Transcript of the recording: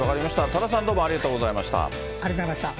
多田さん、どうもありがとうございました。